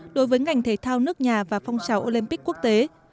đối với ngành thể thao nước nhà và phong trào olympic quốc tế